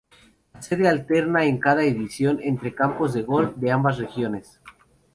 La sede alterna en cada edición entre campos de golf de ambas regiones.